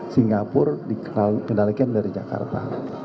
singapura dikendalikan dari jakarta